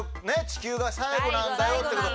地球が最後なんだよって事。